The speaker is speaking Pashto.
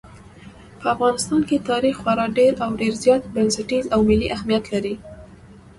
په افغانستان کې تاریخ خورا ډېر او ډېر زیات بنسټیز او ملي اهمیت لري.